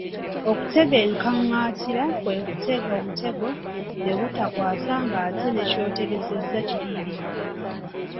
Okutega enkaŋantira kwe kutega omutego ne gutakwasa ng'ate ne ky'otegesezza kiriiriddwa.